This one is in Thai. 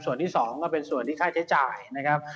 ส่วนที่๒ก็เป็นส่วนที่ค่าใช้จ่ายนะครับ